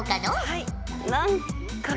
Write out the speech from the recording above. はい。